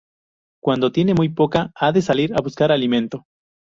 Cuando tiene muy poca, ha de salir a buscar alimento.